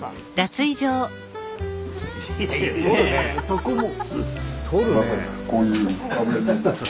そこも。